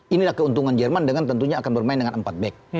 inilah keuntungan jerman dengan tentunya akan bermain dengan empat back